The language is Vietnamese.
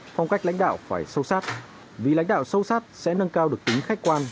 phong cách lãnh đạo phải sâu sát vì lãnh đạo sâu sát sẽ nâng cao được tính khách quan